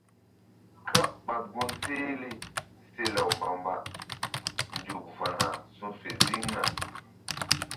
Káɓ ɓa gun sehle se law mbamba nzuk va̧na su fe ziŋna.